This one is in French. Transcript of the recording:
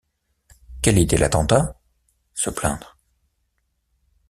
Quel était l’attentat? se plaindre.